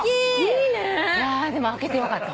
いやぁでも開けてよかった。